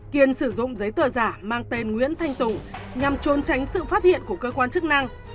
kiên sử dụng giấy tờ giả mang tên nguyễn thanh tùng nhằm trốn tránh sự phát hiện của cơ quan chức năng